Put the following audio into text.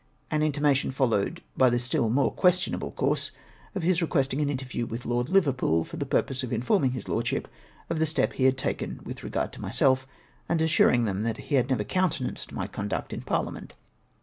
An inti mation followed by the still more questionable course of his requesting an interview with Lord Liverpool, for the purpose of mforming his lordship of the step he had taken with regard to myself, and assuring him that he had never countenanced my conduct in Parhament.